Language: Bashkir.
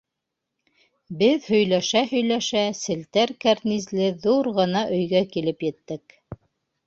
Беҙ һөйләшә-һөйләшә селтәр кәрнизле ҙур ғына өйгә килеп еттек.